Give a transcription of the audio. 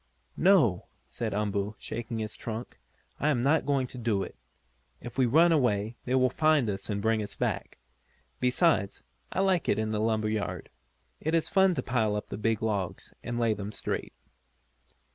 "No," said Umboo, shaking his trunk, "I am not going to do it. If we run away they will find us and bring us back. Besides, I like it in the lumber yard. It is fun to pile up the big logs, and lay them straight."